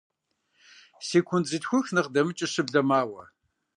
Секунд зытхух нэхъ дэмыкӀыу щыблэ мауэ.